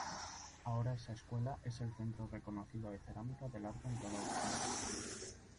Ahora esa escuela es el centro reconocido de cerámica del arte en toda Ucrania.